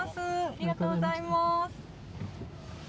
ありがとうございます